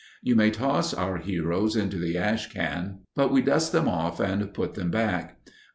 You may toss our heroes into the ash can, but we dust them off and put them back.